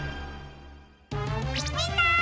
みんな！